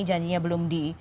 janjinya belum di